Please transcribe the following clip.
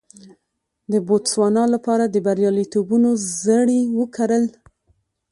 د بوتسوانا لپاره د بریالیتوبونو زړي وکرل.